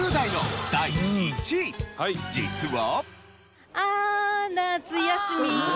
実は。